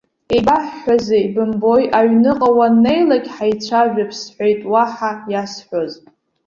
Еибаҳҳәазеи бымбои, аҩныҟа уаннеилак ҳаицәажәап, сҳәеит, уаҳа иасҳәоз.